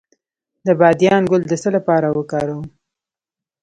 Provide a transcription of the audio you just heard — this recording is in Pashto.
د بادیان ګل د څه لپاره وکاروم؟